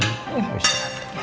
baik pak suriang